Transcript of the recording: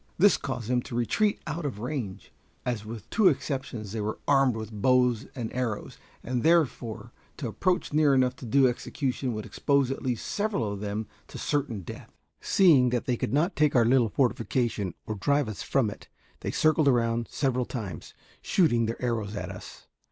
This caused them to retreat out of range, as with two exceptions they were armed with bows and arrows, and therefore to approach near enough to do execution would expose at least several of them to certain death. Seeing that they could not take our little fortification or drive us from it, they circled around several times, shooting their arrows at us.